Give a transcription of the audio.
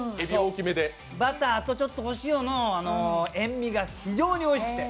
バターと塩の、塩味が非常においしくて